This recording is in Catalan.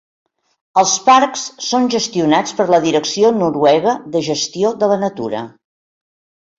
Els parcs són gestionats per la Direcció noruega de gestió de la natura.